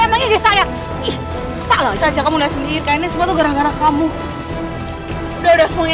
emangnya desa yang salah saja kamu lihat sendiri kainnya sebetulnya kamu udah semuanya tenang ya